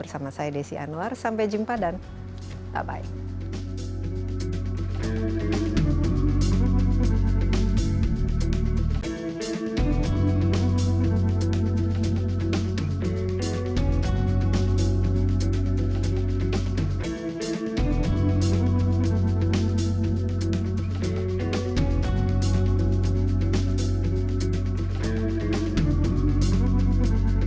jangan lupa subscribe channel ini